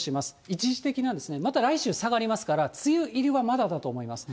一時的な、また来週下がりますから、梅雨入りはまだだと思います。